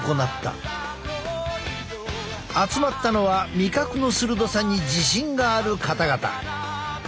集まったのは味覚の鋭さに自信がある方々。